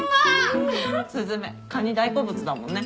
雀カニ大好物だもんね。